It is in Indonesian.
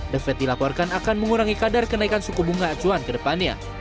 the fed dilaporkan akan mengurangi kadar kenaikan suku bunga acuan ke depannya